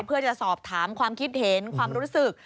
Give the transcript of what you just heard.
เพื่อจะสอบถามความคิดเห็นความรู้สึก